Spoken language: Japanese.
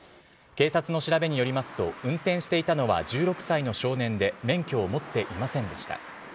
警察の調べによりますと、運転していたのは１６歳の少年で、免許を持っていませんでした。